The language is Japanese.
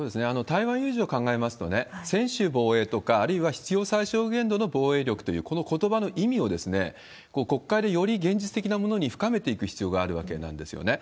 台湾有事を考えますと、専守防衛とか、あるいは必要最小限度の防衛力という、このことばの意味をですね、国会でより現実的なものに深めていく必要があるわけなんですよね。